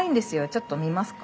ちょっと見ますか？